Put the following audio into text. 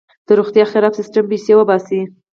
د روغتیا خراب سیستم پیسې وباسي.